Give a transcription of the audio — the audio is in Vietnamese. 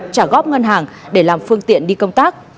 trả góp ngân hàng để làm phương tiện đi công tác